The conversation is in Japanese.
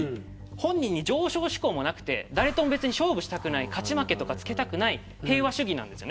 本人に上昇志向もなくて誰とも勝負したくない勝ち負けとかつけたくない平和主義なんです。